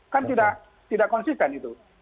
kan tidak konsisten itu